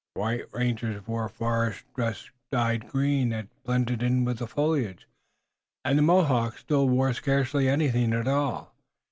The white rangers wore forest dress dyed green that blended with the foliage, and the Mohawks still wore scarcely anything at all.